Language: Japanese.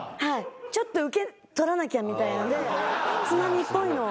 ちょっとウケ取らなきゃみたいなのでつまみっぽいのを。